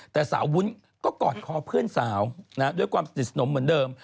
แต่สาววุ้นก็กอดคอเพื่อนสาวด้วยความสนิทสนมเหมือนเดิม